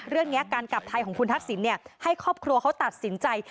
เรื่องนี้การกลับไทยของคุณทักษิณให้ครอบครัวเขาตัดสินใจ